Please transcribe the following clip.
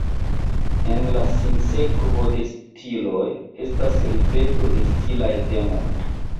En la sinsekvo de stiloj, estas ripeto de stilaj temoj.